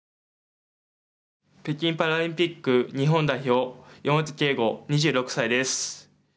北京パラリンピック日本代表、岩本啓吾、２６歳です。